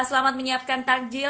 selamat menyiapkan takjil